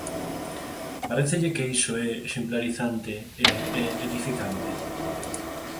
¿Parécelle que iso é exemplarizante e é edificante?